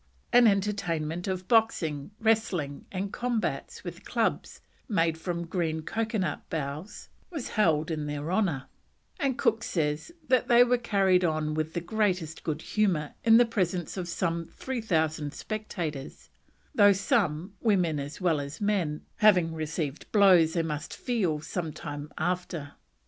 An entertainment of boxing, wrestling, and combats with clubs made from green coconut boughs was held in their honour; and Cook says that they were carried on with the greatest good humour in the presence of some three thousand spectators, "though some, women as well as men, have received blows they must feel some time after."